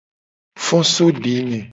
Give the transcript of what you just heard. Fo so dime.